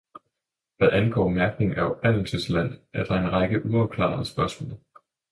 Hvad angår mærkning af oprindelsesland, er der en række uafklarede spørgsmål.